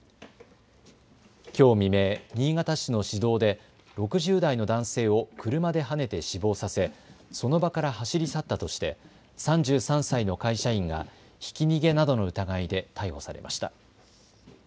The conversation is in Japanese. きょう未明、新潟市の市道で６０代の男性を車ではねて死亡させ、その場から走り去ったとして３３歳の会社員がひき逃げなどの疑いで逮捕されました。